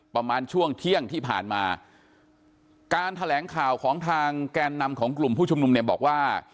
ประมาณช่วงเที่ยงที่ผ่านมาการแถลงข่าวของทางแกนนำของกลุ่มผู้ชุมนุมเนี่ยบอกว่า